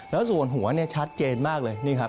แล้วส่วนหัวเนี่ยชัดเจนมากเลยนี่ครับ